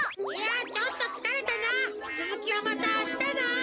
いやちょっとつかれたなつづきはまたあしたな。